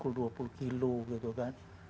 sampai beras apikul dua puluh kilo gitu kan